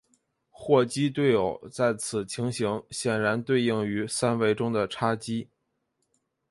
霍奇对偶在此情形显然对应于三维中的叉积。